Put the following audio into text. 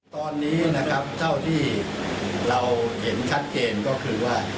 ตอนนี้เท่าที่เราเห็นชัดเกณฑ์ก็คือว่า